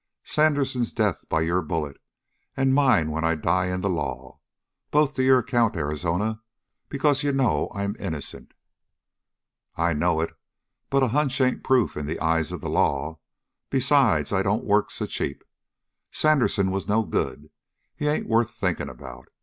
"Sandersen's death by your bullet, and mine when I die in the law. Both to your account, Arizona, because you know I'm innocent." "I know it, but a hunch ain't proof in the eyes of the law. Besides, I don't work so cheap. Sandersen was no good. He ain't worth thinking about.